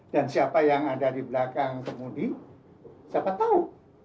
dan siapa yang ada di belakang kemudi siapa tahu